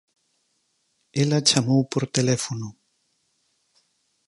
Ela chamou por teléfono.